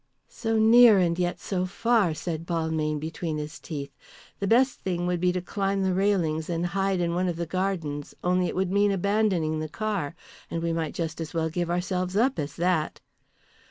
"So near and yet so far," said Balmayne between his teeth. "The best thing would be to climb the railings and hide in one of the gardens, only it would mean abandoning the car. And we might just as well give ourselves up as that."